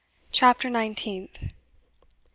CHAPTER NINETEENTH.